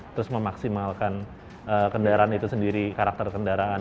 terus memaksimalkan kendaraan itu sendiri karakter kendaraan